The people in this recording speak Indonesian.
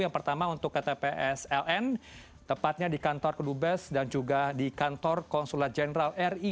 yang pertama untuk ktpsln tepatnya di kantor kedubes dan juga di kantor konsulat jenderal ri